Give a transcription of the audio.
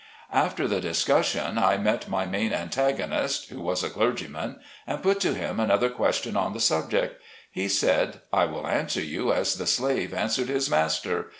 After the discussion, I met my main antagonist — who was a clergyman — and put to him another question on the subject. He said, " I will answer you as the slave answered his master.